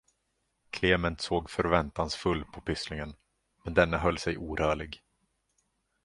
Klement såg förväntansfull på pysslingen, men denne höll sig orörlig.